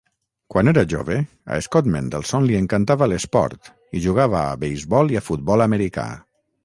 Quan era jove, a Scot Mendelson li encantava l'esport i jugava a beisbol i a futbol americà.